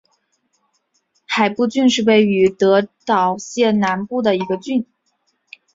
海部郡是位于德岛县南部的一郡。